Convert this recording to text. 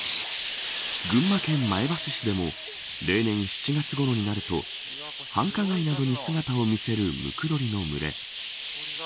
群馬県前橋市でも例年、７月ごろになると繁華街などに姿を見せるムクドリの群れ。